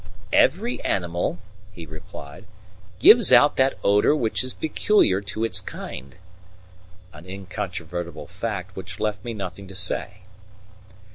"Every animal," he replied, "gives out that odour which is peculiar to its kind"; an incontrovertible fact which left me nothing to say.